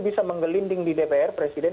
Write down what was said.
bisa menggelinding di dpr presiden